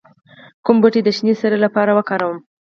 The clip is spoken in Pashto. کوم بوټي د شینې سرې لپاره وکاروم؟